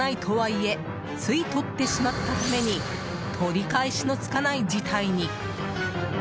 知らないとはいえつい、とってしまったために取り返しのつかない事態に。